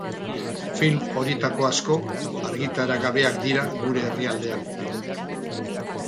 Film horietako asko argitaragabeak dira gure herrialdean.